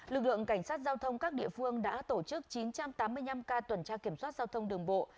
lực lượng cảnh sát giao thông các địa phương đã tổ chức chín trăm tám mươi năm ca tuần tra kiểm soát giao thông đường bộ